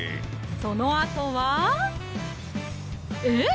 そのあとはえぇ？